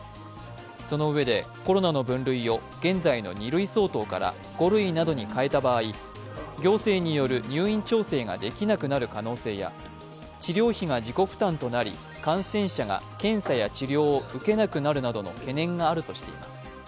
そのうえでコロナの分類は現在の２類相当から５類などに変えた場合、行政による入院調整ができなくなる可能性や治療費が自己負担となり、感染者が検査や治療を受けなくなるなどの懸念があるとしています。